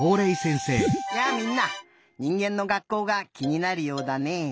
やあみんなにんげんの学校がきになるようだねえ。